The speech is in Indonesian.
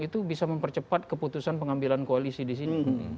itu bisa mempercepat keputusan pengambilan koalisi di sini